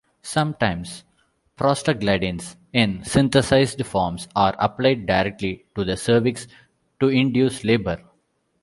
Sometimes prostaglandins in synthesized forms are applied directly to the cervix to induce labor.